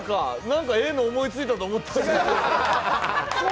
なんかええの思いついたと思って。